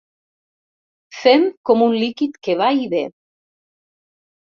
Fem com un líquid que va i ve.